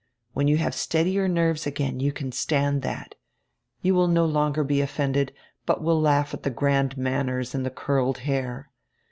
When you have steadier nerves again you can stand diat. You will no longer be offended, but will laugh at die grand manners and die curled hair.